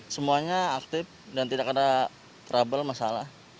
semuanya aktif dan tidak ada trouble masalah